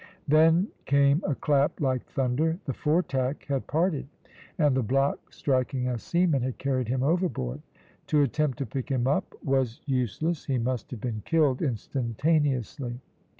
Then came a clap like thunder the foretack had parted, and the block striking a seaman had carried him overboard. To attempt to pick him up was useless he must have been killed instantaneously.